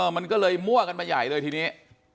มันก็เลยมั่วกันมาใหญ่เลยทีนี้